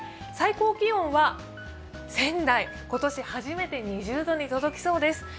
最高気温は仙台、今年初めて２０度に届きそうです。